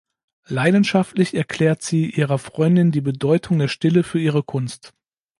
Leidenschaftlich erklärt sie ihrer Freundin die Bedeutung der Stille für ihre Kunst.